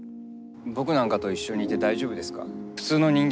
僕なんかと一緒にいて大丈夫ですか？